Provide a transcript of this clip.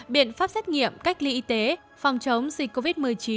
biện pháp xét nghiệm cách ly y tế phòng chống dịch covid một mươi chín